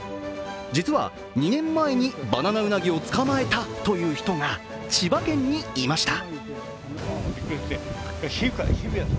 実は２年前にバナナウナギを捕まえたという人が千葉県にいました。